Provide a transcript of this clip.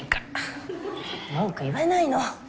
文句言わないの。